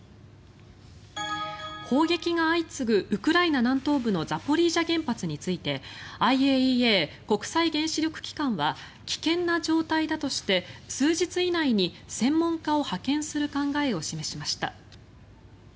砲撃が相次ぐウクライナ南東部のザポリージャ原発についてＩＡＥＡ・国際原子力機関は危険な状態だとして数日以内に専門家を派遣する考えを示しました。